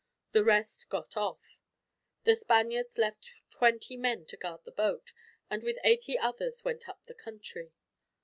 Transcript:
The rest got off. The Spaniards left twenty men to guard the boat, and with eighty others went up the country.